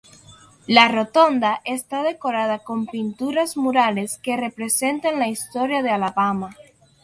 La rotonda está decorada con pinturas murales que representan la historia de Alabama.